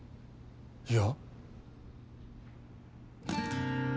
いや。